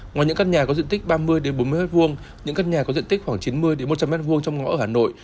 ngoài những các nhà có diện tích ba mươi bốn mươi mét vuông những các nhà có diện tích khoảng chín mươi một trăm linh mét vuông trong ngõ ở hà nội